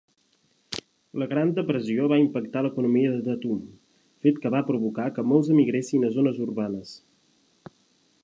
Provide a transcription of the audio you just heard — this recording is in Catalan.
La Gran Depressió va impactar la economia de Tatum, fet que fa provocar que molts emigressin a zones urbanes.